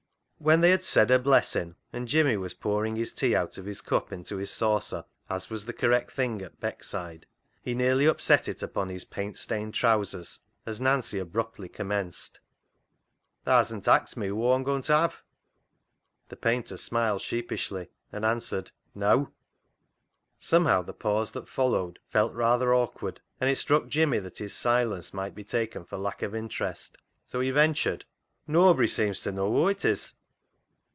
When they had " said a blessin'," and Jimmy was pouring his tea out of his cup into his saucer, as was the correct thing at Beckside, he nearly upset it upon his paint stained trousers as Nancy abruptly commenced —" Tha hasn't axed me whoa Aw'm goin' t' have?" The painter smiled sheepishly, and answered, " Neaw." Somehow the pause that followed felt rather awkward, and it struck Jimmy that his silence might be taken for lack of interest, so he ven tured —" Noabry [nobody] seems to know whoa it is."